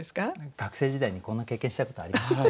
学生時代にこんな経験したことありますね。